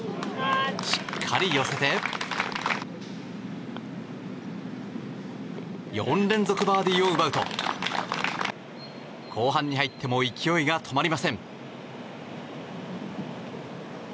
しっかり寄せて４連続バーディーを奪うと後半に入っても勢いが止まりません。